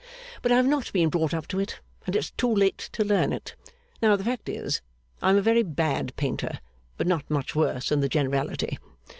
But I have not been brought up to it, and it's too late to learn it. Now, the fact is, I am a very bad painter, but not much worse than the generality.